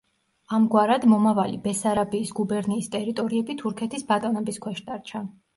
ამგვარად, მომავალი ბესარაბიის გუბერნიის ტერიტორიები თურქეთის ბატონობის ქვეშ დარჩა.